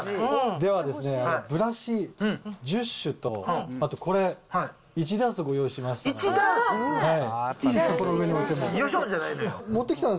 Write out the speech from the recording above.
では、ブラシ１０種と、あとこれ、１ダースご用意しましたんで。